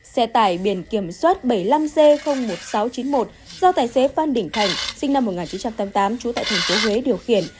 xe tải biển kiểm soát bảy mươi năm c một nghìn sáu trăm chín mươi một do tài xế văn đình thành sinh năm một nghìn chín trăm tám mươi tám trú tại thành phố huế điều khiển